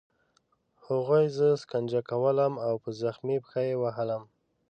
هغوی زه شکنجه کولم او په زخمي پښه یې وهلم